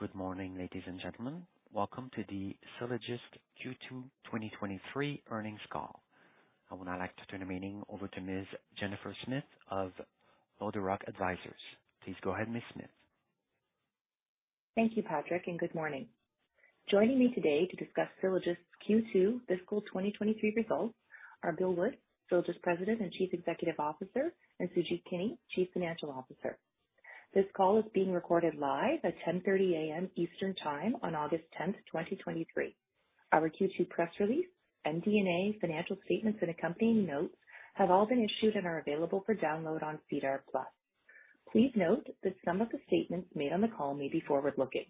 Good morning, ladies and gentlemen. Welcome to the Sylogist Q2 2023 earnings call. I would now like to turn the meeting over to Ms. Jennifer Smith of LodeRock Advisors. Please go ahead, Ms. Smith. Thank you, Patrick. Good morning. Joining me today to discuss Sylogist's Q2 fiscal 2023 results are Bill Wood, Sylogist President and Chief Executive Officer, and Sujeet Kini, Chief Financial Officer. This call is being recorded live at 10:30 A.M. Eastern Time on August 10th, 2023. Our Q2 press release, MD&A, financial statements, and accompanying notes have all been issued and are available for download on SEDAR+. Please note that some of the statements made on the call may be forward-looking.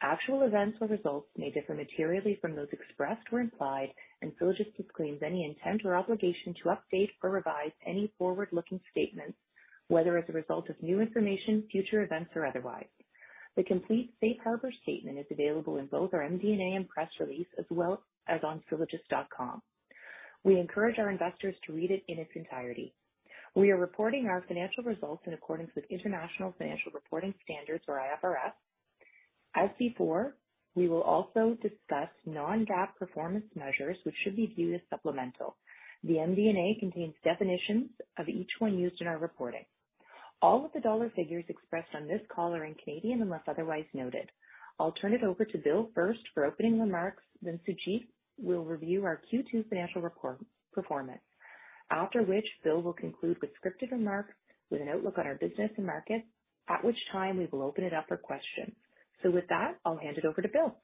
Actual events or results may differ materially from those expressed or implied. Sylogist disclaims any intent or obligation to update or revise any forward-looking statements, whether as a result of new information, future events, or otherwise. The complete safe harbor statement is available in both our MD&A and press release, as well as on sylogist.com. We encourage our investors to read it in its entirety. We are reporting our financial results in accordance with International Financial Reporting Standards, or IFRS. As before, we will also discuss non-GAAP performance measures, which should be viewed as supplemental. The MD&A contains definitions of each one used in our reporting. All of the dollar figures expressed on this call are in Canadian, unless otherwise noted. I'll turn it over to Bill first for opening remarks, then Sujeet will review our Q2 financial report, performance, after which Bill will conclude with scripted remarks with an outlook on our business and market, at which time we will open it up for questions. With that, I'll hand it over to Bill.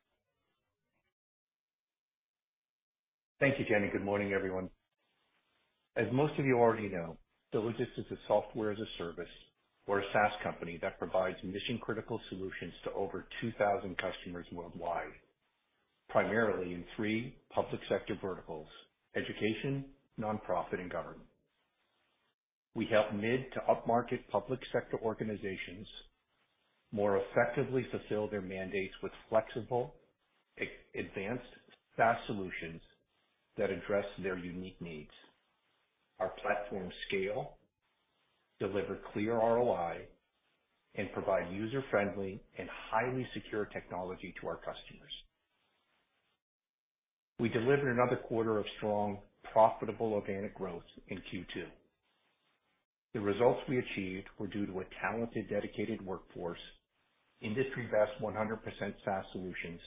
Thank you, Jenny. Good morning, everyone. As most of you already know, Sylogist is a software as a service or a SaaS company that provides mission-critical solutions to over 2,000 customers worldwide, primarily in three public sector verticals: education, nonprofit, and government. We help mid to upmarket public sector organizations more effectively fulfill their mandates with flexible, advanced SaaS solutions that address their unique needs. Our platforms scale, deliver clear ROI, and provide user-friendly and highly secure technology to our customers. We delivered another quarter of strong, profitable organic growth in Q2. The results we achieved were due to a talented, dedicated workforce, industry-best 100% SaaS solutions,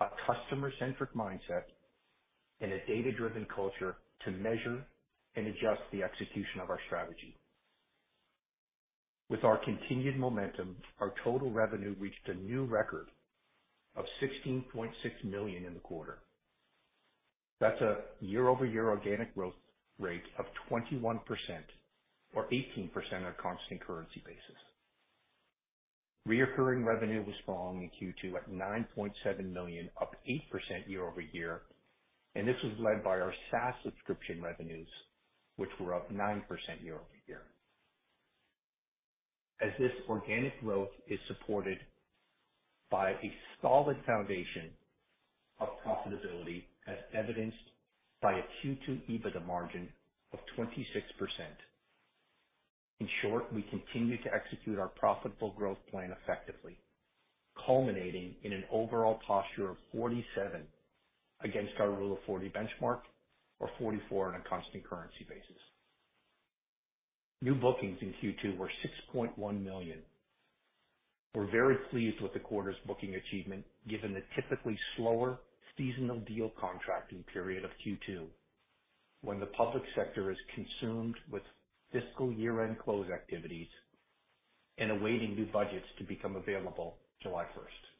a customer-centric mindset, and a data-driven culture to measure and adjust the execution of our strategy. With our continued momentum, our total revenue reached a new record of $16.6 million in the quarter. That's a year-over-year organic growth rate of 21% or 18% on a constant currency basis. Reoccurring revenue was strong in Q2 at 9.7 million, up 8% year-over-year, and this was led by our SaaS subscription revenues, which were up 9% year-over-year. As this organic growth is supported by a solid foundation of profitability, as evidenced by a Q2 EBITDA margin of 26%. In short, we continue to execute our profitable growth plan effectively, culminating in an overall posture of 47 against our Rule of 40 benchmark, or 44 on a constant currency basis. New bookings in Q2 were 6.1 million. We're very pleased with the quarter's booking achievement, given the typically slower seasonal deal contracting period of Q2, when the public sector is consumed with fiscal year-end close activities and awaiting new budgets to become available July 1st.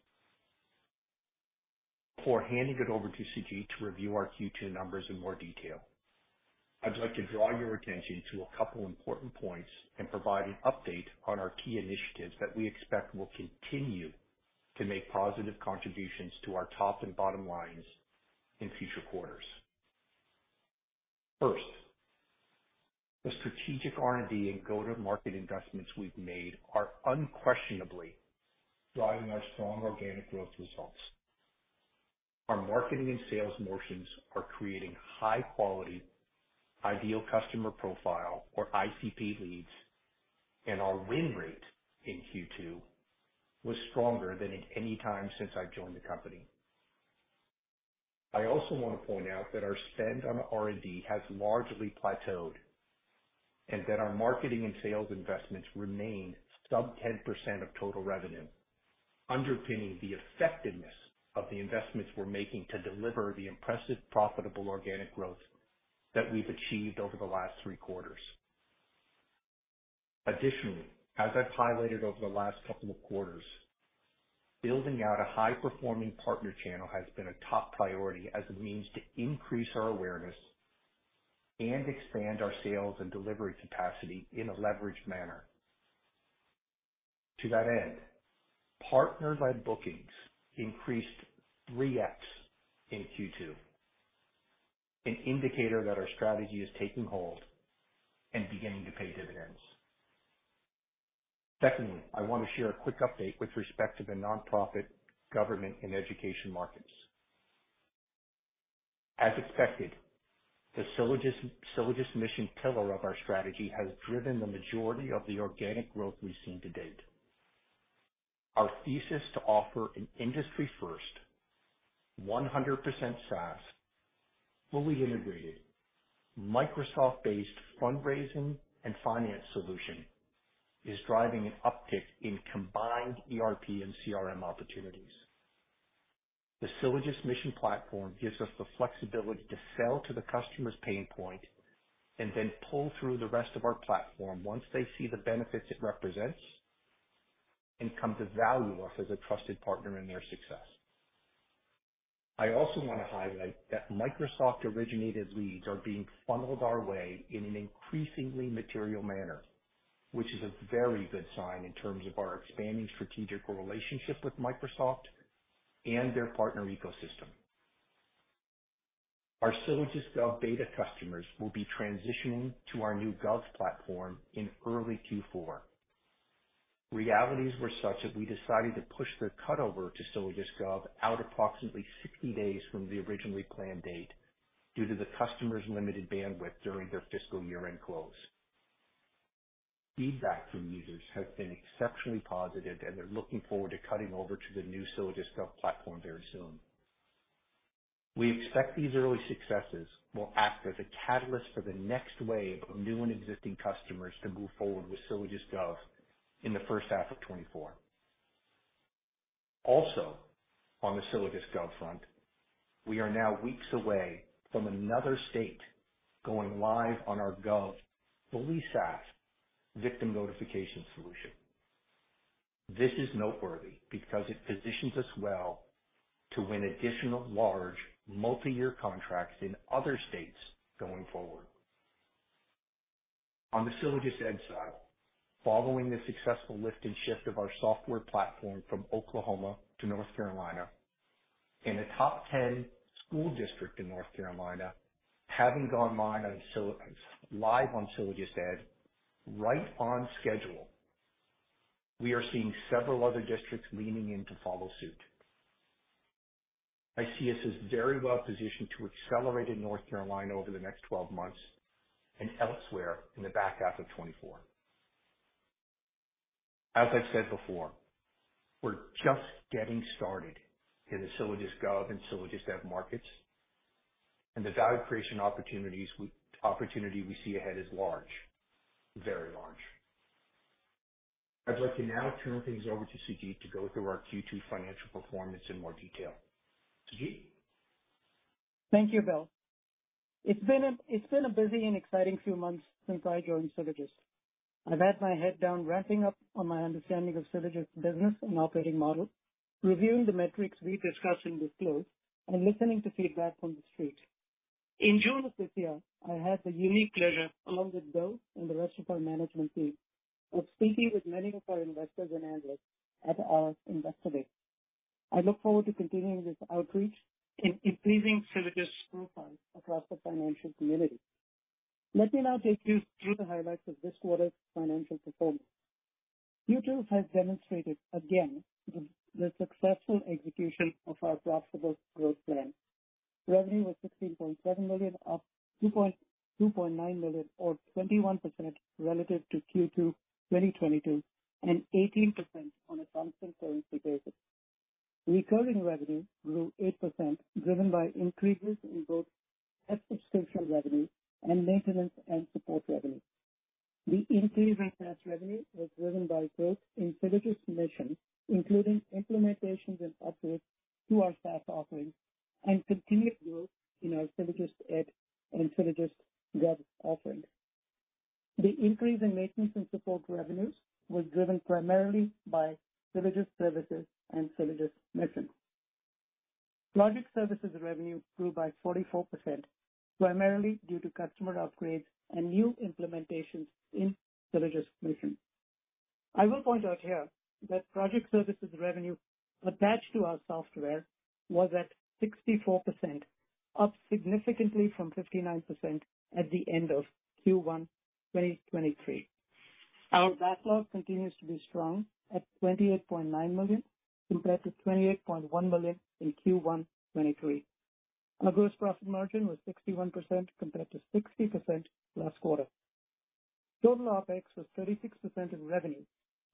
Before handing it over to Sujeet to review our Q2 numbers in more detail, I'd like to draw your attention to a couple important points and provide an update on our key initiatives that we expect will continue to make positive contributions to our top and bottom lines in future quarters. First, the strategic R&D and go-to-market investments we've made are unquestionably driving our strong organic growth results. Our marketing and sales motions are creating high quality, ideal customer profile or ICP leads, and our win rate in Q2 was stronger than at any time since I joined the company. I also want to point out that our spend on R&D has largely plateaued and that our marketing and sales investments remain sub 10% of total revenue, underpinning the effectiveness of the investments we're making to deliver the impressive, profitable, organic growth that we've achieved over the last three quarters. Additionally, as I've highlighted over the last couple of quarters, building out a high-performing partner channel has been a top priority as a means to increase our awareness and expand our sales and delivery capacity in a leveraged manner. To that end, partner-led bookings increased 3x in Q2, an indicator that our strategy is taking hold and beginning to pay dividends. Secondly, I want to share a quick update with respect to the nonprofit, government, and education markets. As expected, the Sylogist Mission pillar of our strategy has driven the majority of the organic growth we've seen to date. Our thesis to offer an industry-first, 100% SaaS, fully integrated, Microsoft-based fundraising and finance solution is driving an uptick in combined ERP and CRM opportunities. The Sylogist Mission platform gives us the flexibility to sell to the customer's pain point and then pull through the rest of our platform once they see the benefits it represents and come to value us as a trusted partner in their success. I also want to highlight that Microsoft-originated leads are being funneled our way in an increasingly material manner, which is a very good sign in terms of our expanding strategic relationship with Microsoft and their partner ecosystem. Our SylogistGov beta customers will be transitioning to our new Gov platform in early Q4. Realities were such that we decided to push the cut over to SylogistGov out approximately 60 days from the originally planned date, due to the customer's limited bandwidth during their fiscal year-end close. Feedback from users has been exceptionally positive, and they're looking forward to cutting over to the new SylogistGov platform very soon. We expect these early successes will act as a catalyst for the next wave of new and existing customers to move forward with SylogistGov in the first half of 2024. On the SylogistGov front, we are now weeks away from another state going live on our Gov fully SaaS victim notification solution. This is noteworthy because it positions us well to win additional large multiyear contracts in other states going forward. On the SylogistEd side, following the successful lift and shift of our software platform from Oklahoma to North Carolina, and a top 10 school district in North Carolina having gone live on SylogistEd right on schedule, we are seeing several other districts leaning in to follow suit. I see us as very well positioned to accelerate in North Carolina over the next 12 months and elsewhere in the back half of 2024. As I've said before, we're just getting started in the SylogistGov and SylogistEd markets, and the value creation opportunities we, opportunity we see ahead is large, very large. I'd like to now turn things over to Sujeet to go through our Q2 financial performance in more detail. Sujeet? Thank you, Bill. It's been a, it's been a busy and exciting few months since I joined Sylogist. I've had my head down, ramping up on my understanding of Sylogist's business and operating model, reviewing the metrics we discussed in this close, and listening to feedback from the street. In June of this year, I had the unique pleasure, along with Bill and the rest of our management team, of speaking with many of our investors and analysts at our Investor Day. I look forward to continuing this outreach and increasing Sylogist's profile across the financial community. Let me now take you through the highlights of this quarter's financial performance. Q2 has demonstrated again the successful execution of our profitable growth plan. Revenue was 16.7 million, up 2.9 million, or 21% relative to Q2 2022, and 18% on a constant currency basis. Recurring revenue grew 8%, driven by increases in both subscription revenue and maintenance and support revenue. The increase in SaaS revenue was driven by growth in SylogistMission, including implementations and upwards to our SaaS offerings, and continued growth in our SylogistEd and SylogistGov offering. The increase in maintenance and support revenues was driven primarily by Sylogist Services and SylogistMission. Project services revenue grew by 44%, primarily due to customer upgrades and new implementations in SylogistMission. I will point out here that project services revenue attached to our software was at 64%, up significantly from 59% at the end of Q1 2023. Our backlog continues to be strong at 28.9 million, compared to 28.1 million in Q1 2023. Our gross profit margin was 61%, compared to 60% last quarter. Total OpEx was 36% in revenue,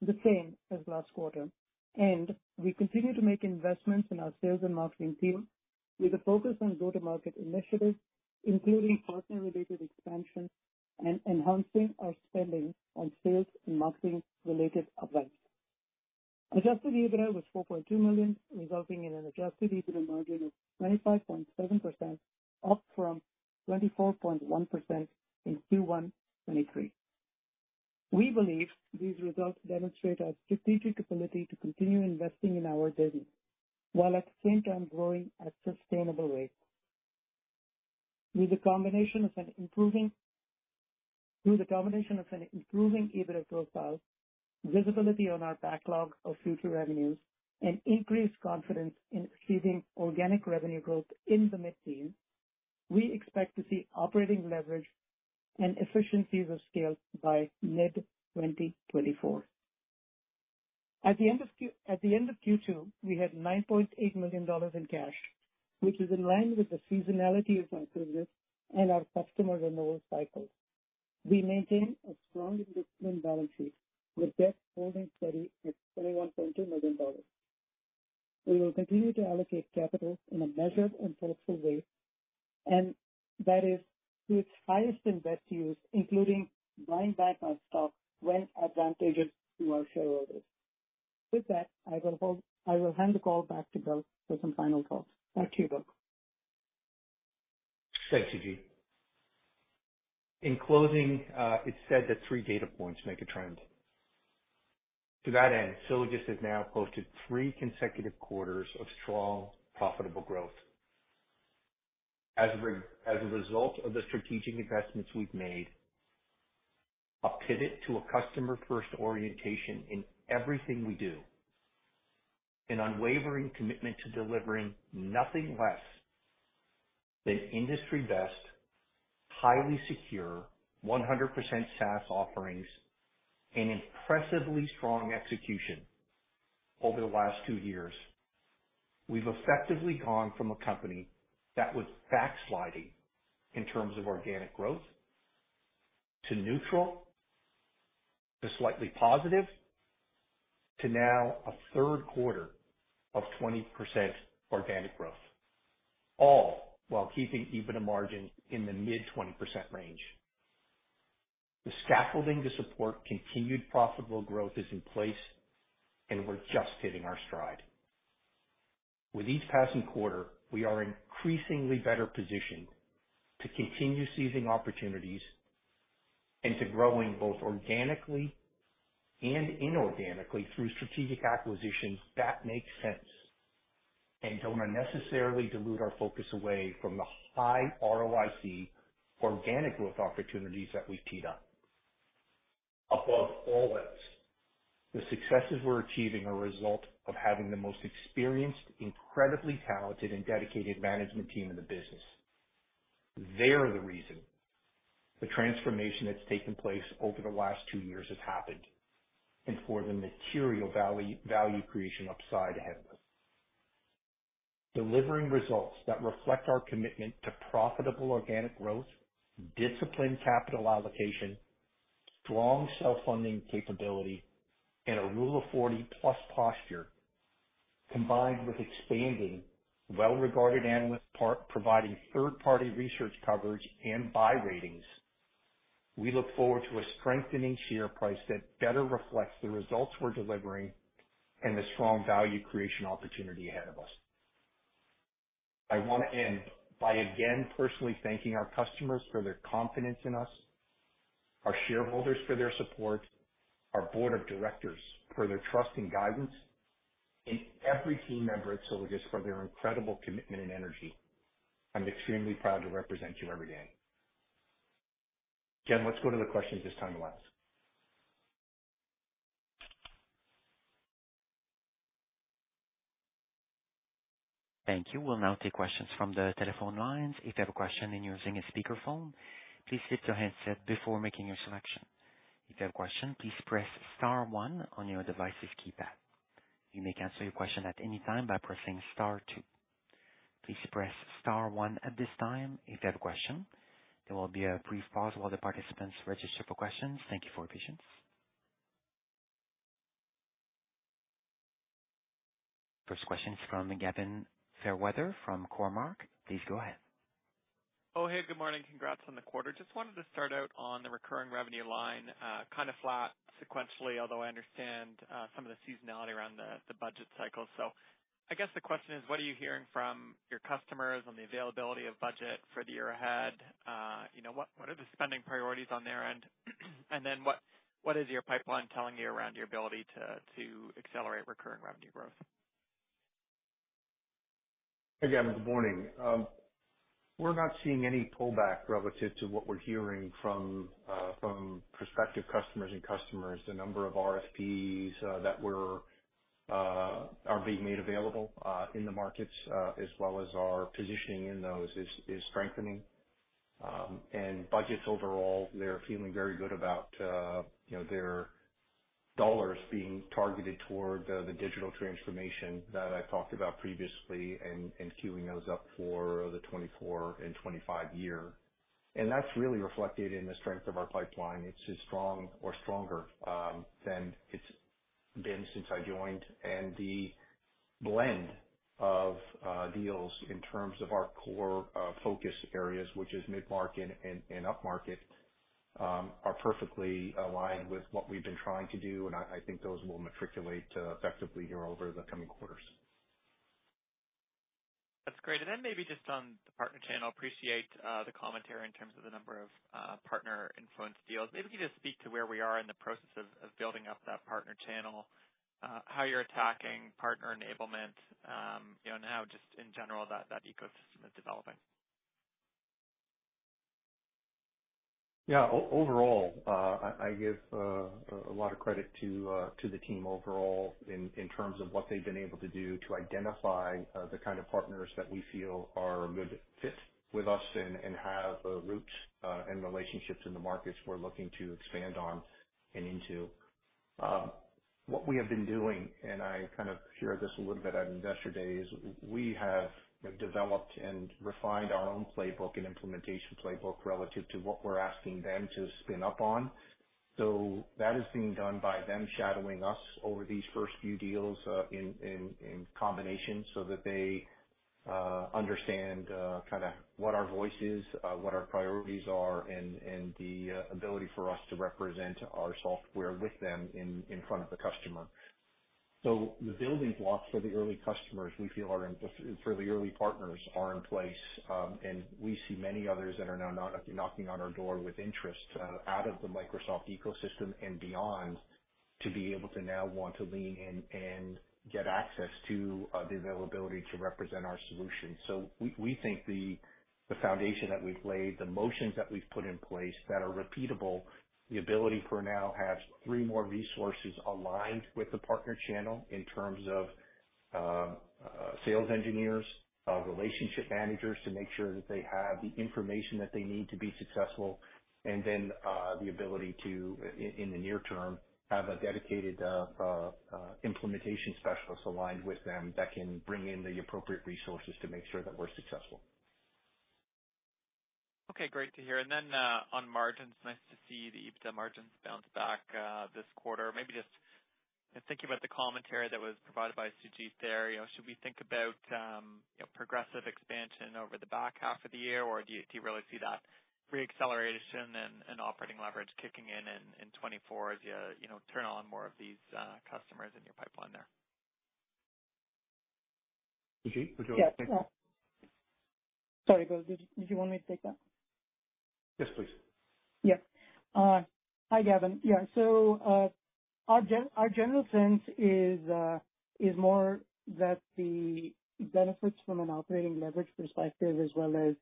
the same as last quarter, and we continue to make investments in our sales and marketing team with a focus on go-to-market initiatives, including partner-related expansion and enhancing our spending on sales and marketing-related events. Adjusted EBITDA was 4.2 million, resulting in an Adjusted EBITDA margin of 25.7%, up from 24.1% in Q1 2023. We believe these results demonstrate our strategic ability to continue investing in our business, while at the same time growing at sustainable rates. With the combination of an improving EBITDA profile, visibility on our backlog of future revenues, and increased confidence in achieving organic revenue growth in the mid-teen, we expect to see operating leverage and efficiencies of scale by mid-2024. At the end of Q2, we had 9.8 million dollars in cash, which is in line with the seasonality of our business and our customer renewal cycle. We maintain a strong investment balance sheet, with debt holding steady at 21.2 million dollars. We will continue to allocate capital in a measured and thoughtful way, and that is to its highest and best use, including buying back our stock when advantageous to our shareholders. With that, I will hand the call back to Bill for some final thoughts. Back to you, Bill. Thanks, Sujeet. In closing, it's said that three data points make a trend. To that end, Sylogist has now posted three consecutive quarters of strong, profitable growth. As a result of the strategic investments we've made, a pivot to a customer-first orientation in everything we do, an unwavering commitment to delivering nothing less than industry best, highly secure, 100% SaaS offerings, and impressively strong execution over the last two years, we've effectively gone from a company that was backsliding in terms of organic growth to neutral, to slightly positive, to now a 3rd quarter of 20% organic growth, all while keeping EBITDA margin in the mid-20% range. The scaffolding to support continued profitable growth is in place, and we're just hitting our stride. With each passing quarter, we are increasingly better positioned to continue seizing opportunities and to growing both organically and inorganically through strategic acquisitions that make sense, and don't unnecessarily dilute our focus away from the high ROIC organic growth opportunities that we've teed up. Above all else, the successes we're achieving are a result of having the most experienced, incredibly talented and dedicated management team in the business. They are the reason the transformation that's taken place over the last two years has happened, and for the material value, value creation upside ahead of us. Delivering results that reflect our commitment to profitable organic growth, disciplined capital allocation, strong self-funding capability, and a Rule of 40 plus posture, combined with expanding well-regarded analyst part providing third-party research coverage and buy ratings, we look forward to a strengthening share price that better reflects the results we're delivering and the strong value creation opportunity ahead of us. I want to end by again personally thanking our customers for their confidence in us, our shareholders for their support, our board of directors for their trust and guidance, and every team member at Sylogist for their incredible commitment and energy. I'm extremely proud to represent you every day. Let's go to the questions this time around. Thank you. We'll now take questions from the telephone lines. If you have a question and you're using a speakerphone, please mute your handset before making your selection. If you have a question, please press star one on your device's keypad. You may cancel your question at any time by pressing star two. Please press star one at this time if you have a question. There will be a brief pause while the participants register for questions. Thank you for your patience. First question is from Gavin Fairweather from Cormark. Please go ahead. Oh, hey, good morning. Congrats on the quarter. Just wanted to start out on the recurring revenue line, kind of flat sequentially, although I understand, some of the seasonality around the, the budget cycle. I guess the question is: what are you hearing from your customers on the availability of budget for the year ahead? you know, what, what are the spending priorities on their end? Then, what, what is your pipeline telling you around your ability to, to accelerate recurring revenue growth? Hey, Gavin, good morning. We're not seeing any pullback relative to what we're hearing from prospective customers and customers. The number of RFPs that we're are being made available in the markets as well as our positioning in those is strengthening. Budgets overall, they're feeling very good about, you know, their dollars being targeted toward the digital transformation that I talked about previously, and queuing those up for the 2024 and 2025 year. That's really reflected in the strength of our pipeline. It's as strong or stronger, than it's been since I joined, and the blend of, deals in terms of our core, focus areas, which is mid-market and, and upmarket, are perfectly aligned with what we've been trying to do, and I, I think those will matriculate, effectively here over the coming quarters. That's great. Then maybe just on the partner channel. Appreciate the commentary in terms of the number of partner-influenced deals. Maybe you could just speak to where we are in the process of, of building up that partner channel, how you're attacking partner enablement, you know, and how just in general, that, that ecosystem is developing. Yeah. Overall, I give a lot of credit to to the team overall in in terms of what they've been able to do to identify the kind of partners that we feel are a good fit with us and and have roots and relationships in the markets we're looking to expand on and into. What we have been doing, and I kind of shared this a little bit at Investor Day, is we have developed and refined our own playbook and implementation playbook relative to what we're asking them to spin up on. That is being done by them shadowing us over these first few deals, in combination, so that they understand kind of what our voice is, what our priorities are, and the ability for us to represent our software with them in front of the customer. The building blocks for the early customers, we feel are in place, for the early partners are in place, and we see many others that are now knocking on our door with interest out of the Microsoft ecosystem and beyond, to be able to now want to lean in and get access to the availability to represent our solutions. We, we think the, the foundation that we've laid, the motions that we've put in place that are repeatable, the ability for Now has three more resources aligned with the partner channel in terms of sales engineers, relationship managers, to make sure that they have the information that they need to be successful, and then the ability to in the near term, have a dedicated implementation specialist aligned with them that can bring in the appropriate resources to make sure that we're successful. Okay, great to hear. On margins, nice to see the EBITDA margins bounce back this quarter. Maybe just thinking about the commentary that was provided by Sujeet there, you know, should we think about, you know, progressive expansion over the back half of the year? Or do you, do you really see that reacceleration and operating leverage kicking in in 2024 as you, you know, turn on more of these customers in your pipeline there? Sujeet, would you like to take that? Yes. Sorry, Bill, did, did you want me to take that? Yes, please. Yep. Hi, Gavin. Our general sense is more that the benefits from an operating leverage perspective, as well as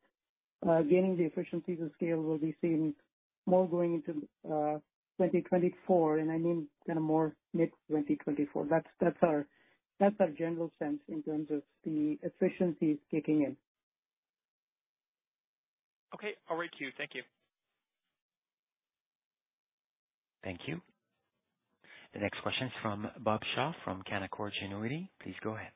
gaining the efficiencies of scale, will be seen more going into 2024, and I mean kind of more mid-2024. That's, that's our, that's our general sense in terms of the efficiencies kicking in. Okay, all right. Thank you. Thank you. The next question is from Parth Shah, from Canaccord Genuity. Please go ahead.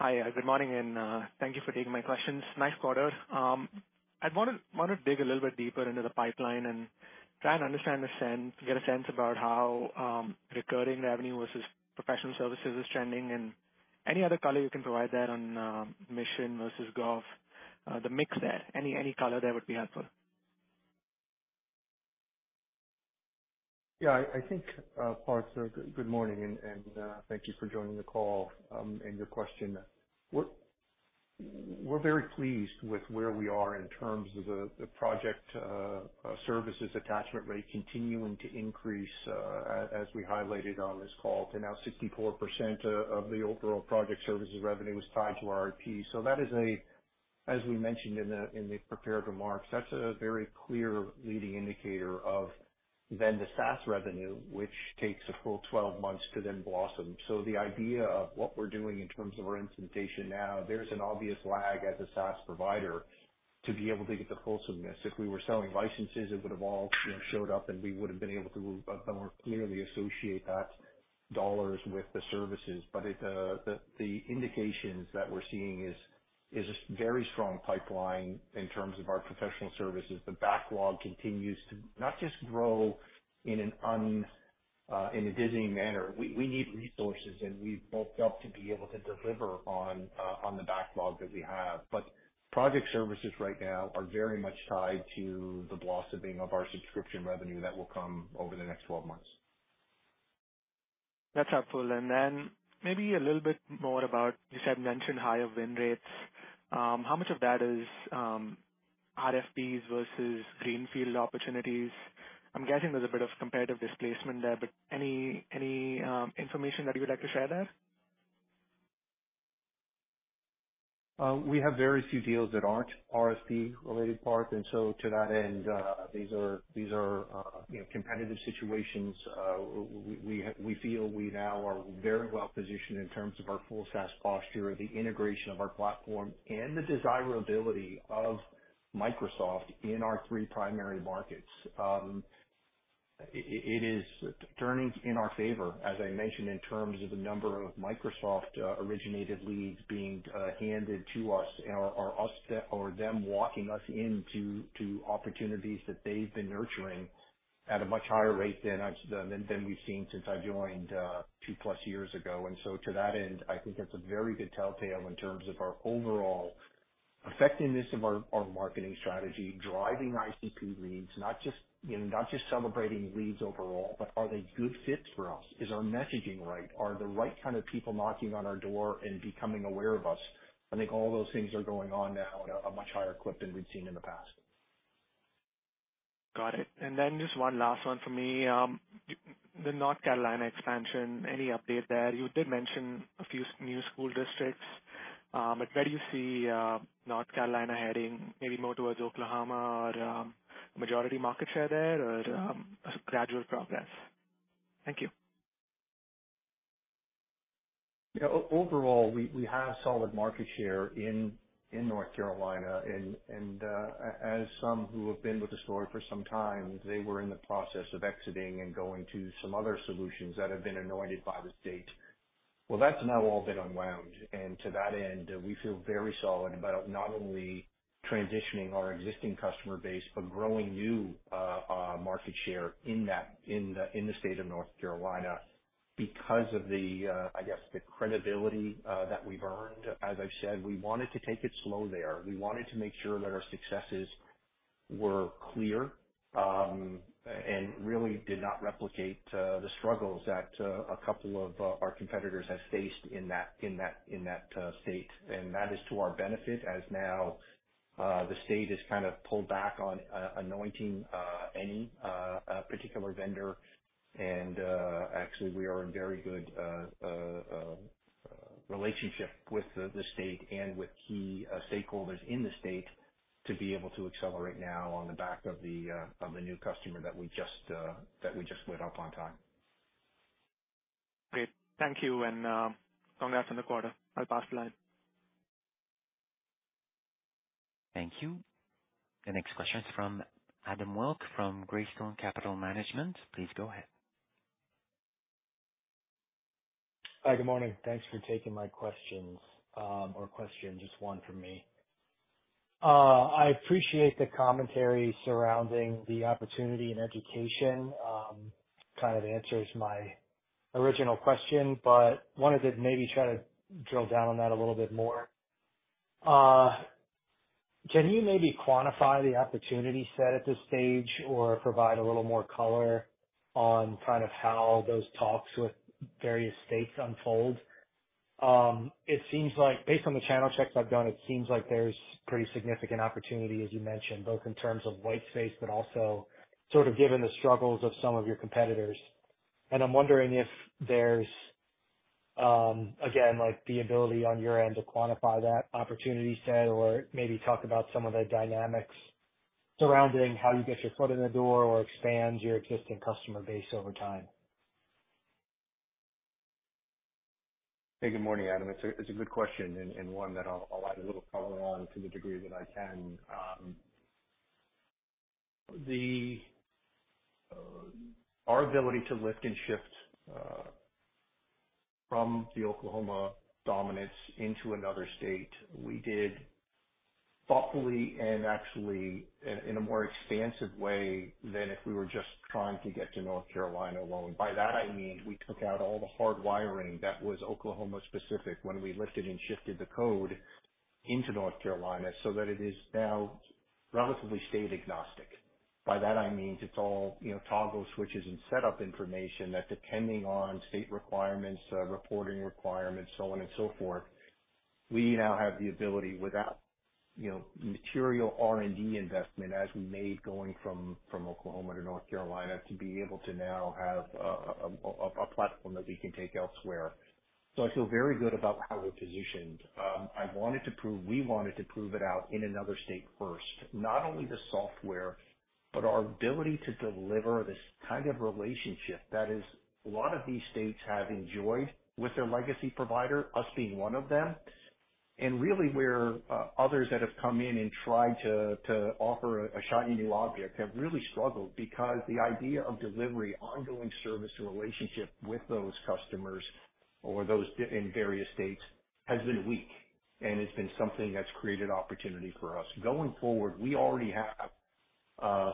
Hi, good morning. Thank you for taking my questions. Nice quarter. I'd want to dig a little bit deeper into the pipeline and try and understand the sense, get a sense about how recurring revenue versus professional services is trending, and any other color you can provide there on mission versus Gov, the mix there. Any color there would be helpful. Yeah, I, I think, Parth, good morning, and, and, thank you for joining the call, and your question. We're very pleased with where we are in terms of the project services attachment rate continuing to increase, as we highlighted on this call. To now 64% of the overall project services revenue is tied to ERP. That is a, as we mentioned in the, in the prepared remarks, that's a very clear leading indicator of then the SaaS revenue, which takes a full 12 months to then blossom. The idea of what we're doing in terms of our implementation now, there's an obvious lag as a SaaS provider to be able to get the wholesomeness. If we were selling licenses, it would have all, you know, showed up, and we would have been able to more clearly associate that dollars with the services. The indications that we're seeing is a very strong pipeline in terms of our professional services. The backlog continues to not just grow in a dizzying manner. We need resources, and we've built up to be able to deliver on the backlog that we have. Project services right now are very much tied to the blossoming of our subscription revenue that will come over the next 12 months. That's helpful. Then maybe a little bit more about, you said, mentioned higher win rates. How much of that is, RFPs versus greenfield opportunities? I'm guessing there's a bit of competitive displacement there, but any, any, information that you would like to share there? We have very few deals that aren't RFP-related, Parth. So to that end, these are, these are, you know, competitive situations. We feel we now are very well positioned in terms of our full SaaS posture, the integration of our platform, and the desirability of Microsoft in our three primary markets. It, it, it is turning in our favor, as I mentioned, in terms of the number of Microsoft originated leads being handed to us, or, or us, or them walking us into opportunities that they've been nurturing at a much higher rate than I've than, than we've seen since I joined 2+ years ago. To that end, I think it's a very good telltale in terms of our overall effectiveness of our, our marketing strategy, driving ICP leads, not just, you know, not just celebrating leads overall, but are they good fits for us? Is our messaging right? Are the right kind of people knocking on our door and becoming aware of us? I think all those things are going on now at a much higher clip than we've seen in the past. Got it. Then just one last one for me. The North Carolina expansion, any update there? You did mention a few new school districts, but where do you see North Carolina heading? Maybe more towards Oklahoma, or majority market share there, or a gradual progress? Thank you. Yeah, overall, we have solid market share in North Carolina. As some who have been with the story for some time, they were in the process of exiting and going to some other solutions that have been anointed by the state. Well, that's now all been unwound. To that end, we feel very solid about not only transitioning our existing customer base, but growing new market share in that, in the, in the state of North Carolina because of the I guess, the credibility that we've earned. As I've said, we wanted to take it slow there. We wanted to make sure that our successes were clear, and really did not replicate the struggles that a couple of our competitors have faced in that, in that, in that state. That is to our benefit, as now, the state has kind of pulled back on anointing any particular vendor. Actually, we are in very good relationship with the state and with key stakeholders in the state to be able to accelerate now on the back of the of the new customer that we just that we just went up on time. Great. Thank you, and, congrats on the quarter. I'll pass the line. Thank you. The next question is from Adam Wilk from Greystone Capital Management. Please go ahead. Hi, good morning. Thanks for taking my questions, or question, just one from me. I appreciate the commentary surrounding the opportunity in education, kind of answers my original question, but wanted to maybe try to drill down on that a little bit more. Can you maybe quantify the opportunity set at this stage or provide a little more color on kind of how those talks with various states unfold? It seems like based on the channel checks I've done, it seems like there's pretty significant opportunity, as you mentioned, both in terms of white space, but also sort of given the struggles of some of your competitors. I'm wondering if there's, again, like the ability on your end to quantify that opportunity set or maybe talk about some of the dynamics surrounding how you get your foot in the door or expand your existing customer base over time. Hey, good morning, Adam. It's a good question and one that I'll add a little color on to the degree that I can. The our ability to lift and shift from the Oklahoma dominance into another state, we did thoughtfully and actually in a more expansive way than if we were just trying to get to North Carolina alone. By that, I mean, we took out all the hard wiring that was Oklahoma specific when we lifted and shifted the code into North Carolina, so that it is now relatively state agnostic. By that, I mean, it's all, you know, toggle switches and setup information that depending on state requirements, reporting requirements, so on and so forth, we now have the ability without, you know, material R&D investment as we made going from, from Oklahoma to North Carolina, to be able to now have a platform that we can take elsewhere. I feel very good about how we're positioned. I wanted to prove -- we wanted to prove it out in another state first, not only the software, but our ability to deliver this kind of relationship that is, a lot of these states have enjoyed with their legacy provider, us being one of them. Really where others that have come in and tried to, to offer a, a shiny new object have really struggled, because the idea of delivering ongoing service and relationship with those customers or those in various states has been weak, and it's been something that's created opportunity for us. Going forward, we already have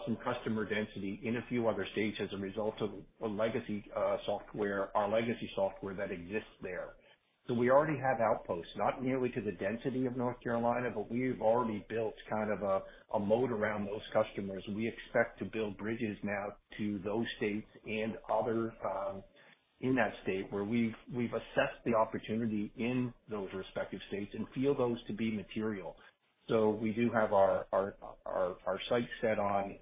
some customer density in a few other states as a result of a legacy software, our legacy software that exists there. We already have outposts, not nearly to the density of North Carolina, but we've already built kind of a, a moat around those customers. We expect to build bridges now to those states and others, in that state where we've, we've assessed the opportunity in those respective states and feel those to be material. We do have our, our, our, our sights set on,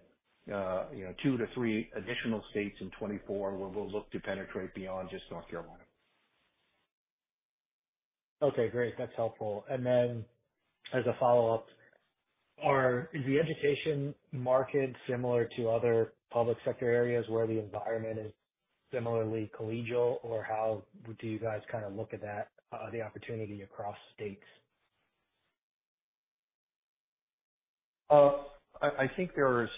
you know, two to three additional states in 2024, where we'll look to penetrate beyond just North Carolina. Okay, great. That's helpful. Then, as a follow-up, is the education market similar to other public sector areas where the environment is similarly collegial, or how do you guys kind of look at that, the opportunity across states? I, I think there's,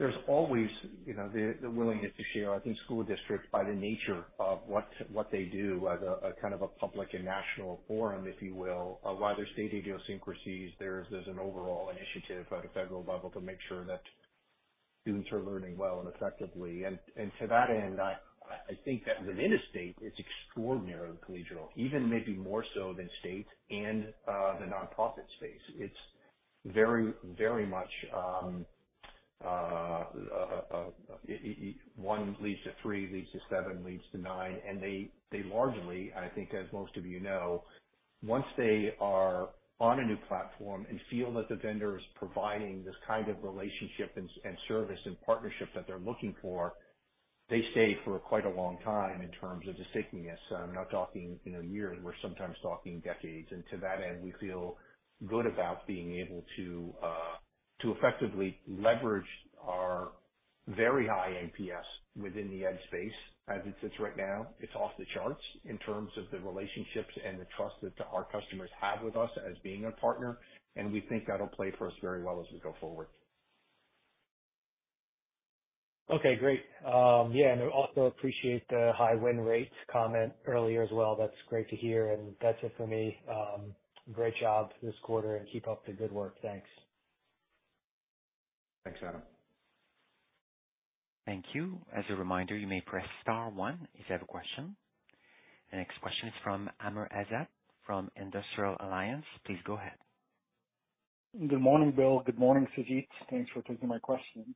there's always, you know, the, the willingness to share. I think school districts, by the nature of what, what they do, as a, a kind of a public and national forum, if you will, while there's state idiosyncrasies, there's, there's an overall initiative at a federal level to make sure that students are learning well and effectively. To that end, I, I think that within a state, it's extraordinarily collegial, even maybe more so than state and, the nonprofit space. It's very, very much, one leads to three, leads to seven, leads to nine. They, they largely, I think, as most of you know, once they are on a new platform and feel that the vendor is providing this kind of relationship and, and service and partnership that they're looking for, they stay for quite a long time in terms of stickiness. I'm not talking, you know, years, we're sometimes talking decades. To that end, we feel good about being able to effectively leverage our very high APS within the Ed space. As it sits right now, it's off the charts in terms of the relationships and the trust that our customers have with us as being a partner, and we think that'll play for us very well as we go forward. Okay, great. Yeah, and I also appreciate the high win rates comment earlier as well. That's great to hear, and that's it for me. Great job this quarter, and keep up the good work. Thanks. Thanks, Adam. Thank you. As a reminder, you may press star one if you have a question. The next question is from Amir Azad, from Industrial Alliance. Please go ahead. Good morning, Bill. Good morning, Sujeet. Thanks for taking my question.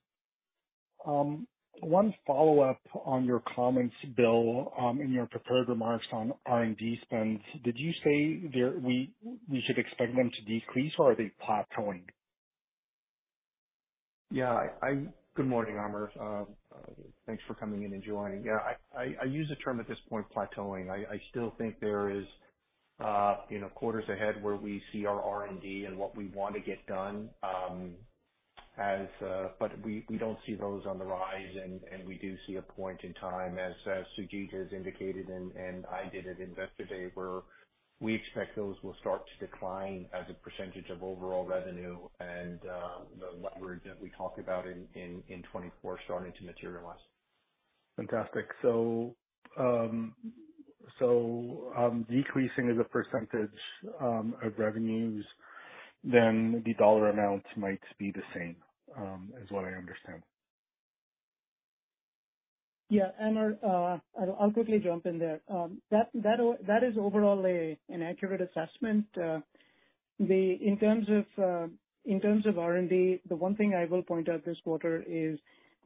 One follow-up on your comments, Bill, in your prepared remarks on R&D spends. Did you say there, we, we should expect them to decrease, or are they plateauing? Yeah, Good morning, Amir. Thanks for coming in and joining. Yeah, I, I, I use the term at this point, plateauing. I, I still think there is, you know, quarters ahead where we see our R&D and what we want to get done. We don't see those on the rise, and we do see a point in time, as Sujeet has indicated, and I did at Investor Day, where we expect those will start to decline as a percentage of overall revenue and the leverage that we talk about in 2024 starting to materialize. Fantastic. So, decreasing as a percentage of revenues, then the dollar amount might be the same, is what I understand. Yeah, Amir, I'll, I'll quickly jump in there. That is overall an accurate assessment. In terms of R&D, the one thing I will point out this quarter is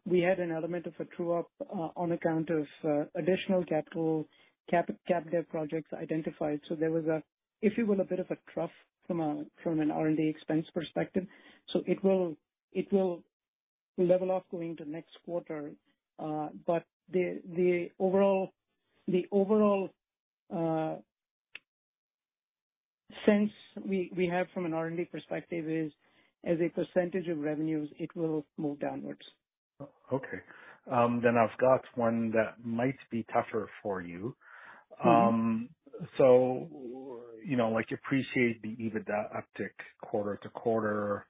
we had an element of a true-up on account of additional capital cap dev projects identified. There was a, if you will, a bit of a trough from an R&D expense perspective, so it will, it will level off going to next quarter. The overall sense we have from an R&D perspective is, as a percentage of revenues, it will move downwards. Okay. I've got one that might be tougher for you. Appreciate the EBITDA uptick quarter to quarter.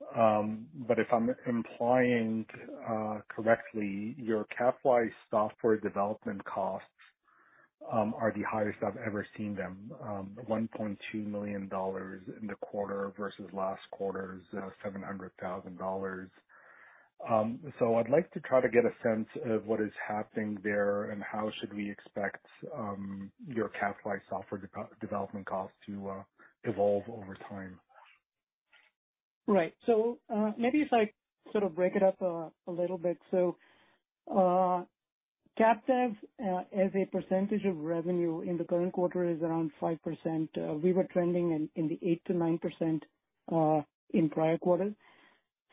If I'm implying correctly, your capitalized software development costs are the highest I've ever seen them. $1.2 million in the quarter versus last quarter's $700,000. I'd like to try to get a sense of what is happening there and how should we expect your capitalized software development costs to evolve over time? Right. Maybe if I sort of break it up a little bit. Cap dev as a percentage of revenue in the current quarter is around 5%. We were trending in the 8%-9% in prior quarters.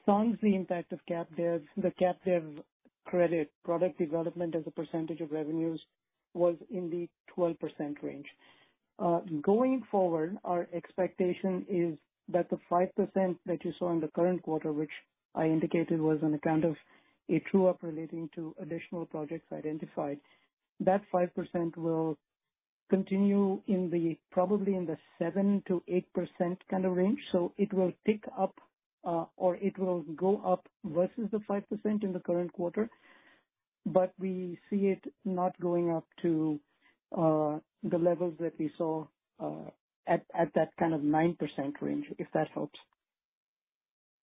Sans the impact of cap dev, the cap dev credit, product development as a percentage of revenues was in the 12% range. Going forward, our expectation is that the 5% that you saw in the current quarter, which I indicated was on account of a true-up relating to additional projects identified, that 5% will continue in the, probably in the 7%-8% kind of range. It will tick up, or it will go up versus the 5% in the current quarter, but we see it not going up to the levels that we saw at that kind of 9% range, if that helps.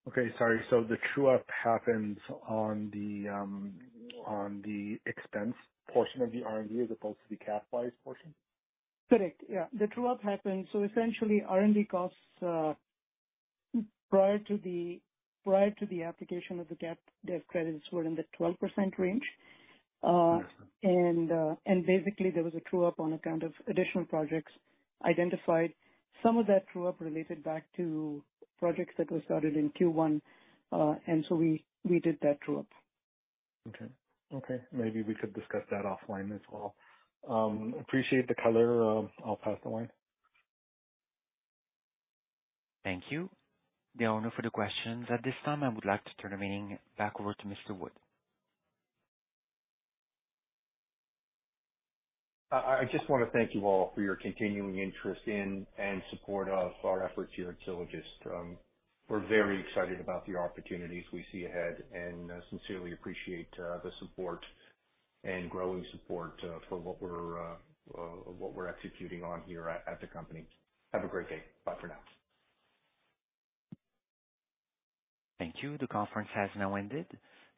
Okay, sorry. The true-up happens on the expense portion of the R&D as opposed to the capitalized portion? Correct. Yeah, the true-up happens. Essentially, R&D costs prior to the application of the cap dev credits were in the 12% range. Basically, there was a true-up on account of additional projects identified. Some of that true-up related back to projects that were started in Q1, and so we, we did that true-up. Okay. Okay, maybe we could discuss that offline as well. Appreciate the color. I'll pass the line. Thank you. There are no further questions. At this time, I would like to turn the meeting back over to Mr. Wood. I, I just want to thank you all for your continuing interest in and support of our efforts here at Sylogist. We're very excited about the opportunities we see ahead and sincerely appreciate the support and growing support for what we're what we're executing on here at, at the company. Have a great day. Bye for now. Thank you. The conference has now ended.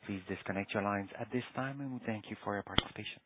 Please disconnect your lines at this time. We thank you for your participation.